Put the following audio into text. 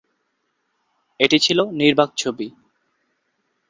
এটি ছিলো নির্বাক ছবি।